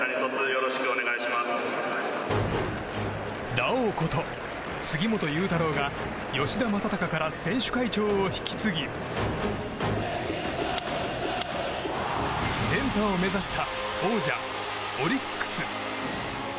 ラオウこと杉本裕太郎が吉田正尚から選手会長を引き継ぎ連覇を目指した王者オリックス。